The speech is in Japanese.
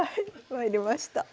参りました。